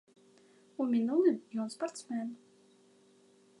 У мінулым ён спартсмен.